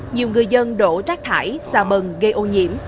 nhiều người dân đổ rác thải xà bần gây ô nhiễm